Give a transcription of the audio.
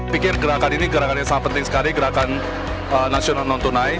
pikir gerakan ini gerakan yang sangat penting sekali gerakan nasional non tunai